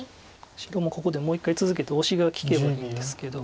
白もここでもう一回続けてオシが利けばいいんですけど。